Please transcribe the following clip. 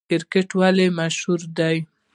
کرکټ ولې مشهور دی؟